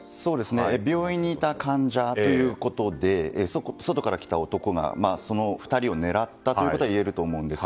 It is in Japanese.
病院にいた患者ということで外から来た男がその２人を狙ったということがいえると思うんです。